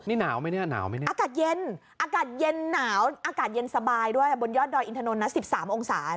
นี่หนาวไหมเนี่ยหนาวไหมเนี่ยอากาศเย็นอากาศเย็นหนาวอากาศเย็นสบายด้วยบนยอดดอยอินทนนท์นะ๑๓องศา